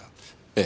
ええ。